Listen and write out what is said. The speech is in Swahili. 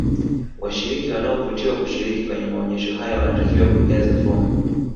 washiriki wanaovutiwa kushiriki kwenye maonyesho haya wanatakiwa kujaze fomu